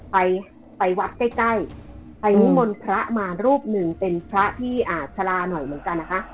ไปไปวัดใกล้ใกล้ไปนิมนต์พระมารูปหนึ่งเป็นพระที่ชะลาหน่อยเหมือนกันนะคะ